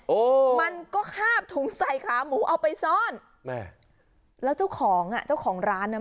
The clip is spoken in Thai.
โอ้มันก็คาบถุงใส่ขาหมูเอาไปซ่อนแม่แล้วเจ้าของอ่ะเจ้าของร้านน่ะ